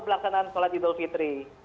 pelaksanaan solat idul fitri